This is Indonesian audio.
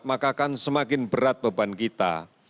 maka akan semakin berat beban kita